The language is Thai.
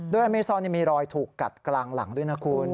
โดยอเมซอนมีรอยถูกกัดกลางหลังด้วยนะคุณ